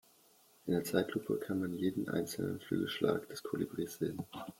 In der Zeitlupe kann man jeden einzelnen Flügelschlag des Kolibris sehen.